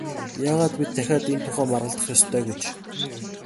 Яагаад бид дахиад энэ тухай маргалдах ёстой гэж?